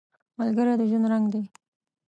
ملګری د ژوند رنګ دی